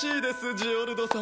ジオルド様。